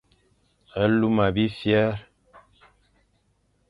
Luma bifer,